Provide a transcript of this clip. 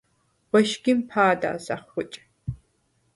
ღუ̂ეშგიმ ფა̄და̈ს ახღუ̂იჭ.